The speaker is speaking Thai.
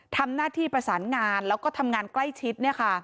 ทำหน้าที่ประสานงานแล้วก็ทำงานใกล้ชิด